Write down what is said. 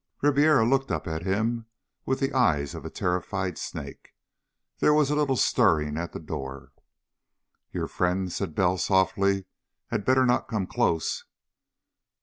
Ribiera looked up at him with the eyes of a terrified snake. There was a little stirring at the door. "Your friends," said Bell softly, "had better not come close."